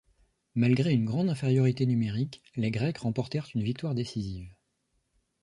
Malgré une grande infériorité numérique, les Grecs remportèrent une victoire décisive.